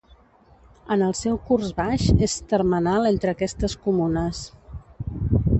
En el seu curs baix és termenal entre aquestes comunes.